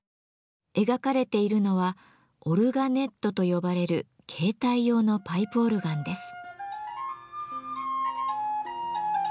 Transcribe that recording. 描かれているのは「オルガネット」と呼ばれる携帯用のパイプオルガンです。